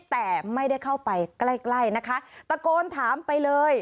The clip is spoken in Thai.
แต่ไม่ได้เข้าไปใกล้ใกล้นะคะตะโกนถามไปเลย